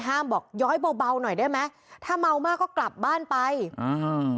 บอกย้อยเบาเบาหน่อยได้ไหมถ้าเมามากก็กลับบ้านไปอ่า